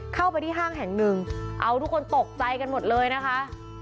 เข้าไปที่ห้างแห่งหนึ่งเอาทุกคนตกใจกันหมดเลยนะคะ